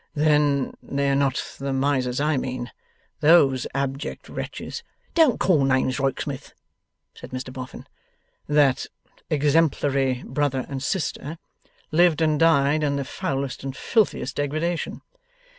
'Then they are not the Misers I mean. Those abject wretches ' 'Don't call names, Rokesmith,' said Mr Boffin. ' That exemplary brother and sister lived and died in the foulest and filthiest degradation.